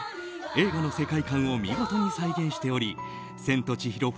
映画の世界観を見事に再現しており「千と千尋」